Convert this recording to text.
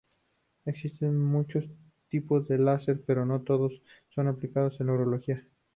Existen muchos tipos de láser, pero no todos son aplicables en urología.